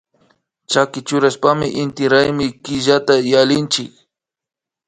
Chaki churashpami inti raymi killata yallinchik